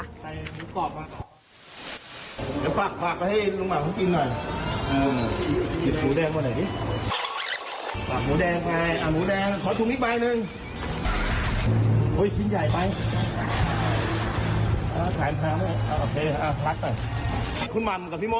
ใส่หมูกรอบมาเนี่ยฟากแล้วให้หนูมะพุทรกินหน่อยเออ